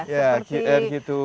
ya gr gitu